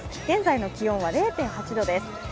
現在の気温は０．８度です。